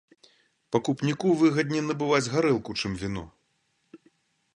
Пакупніку выгадней набываць гарэлку, чым віно.